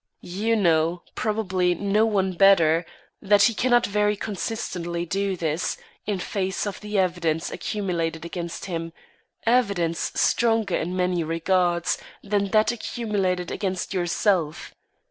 You know probably no one better that he cannot very consistently do this, in face of the evidence accumulated against him, evidence stronger in many regards, than that accumulated against yourself.